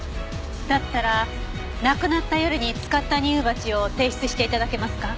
だったら亡くなった夜に使った乳鉢を提出して頂けますか？